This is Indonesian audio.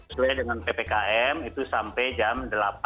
sesuai dengan ppkm itu sampai jam delapan